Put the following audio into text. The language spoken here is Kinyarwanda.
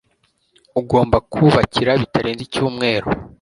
ugomba kubakira bitarenze icyumweru